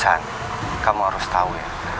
san kamu harus tau ya